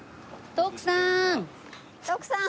徳さーん！